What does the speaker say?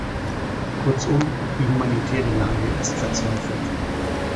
Kurzum, die humanitäre Lage ist verzweifelt.